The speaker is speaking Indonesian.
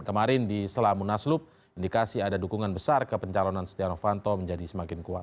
kemarin di selamunaslup indikasi ada dukungan besar ke pencalonan tiano fanto menjadi semakin kuat